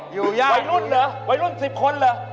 อยู่ยากวัยรุ่นเหรอวัยรุ่น๑๐คนเหรอ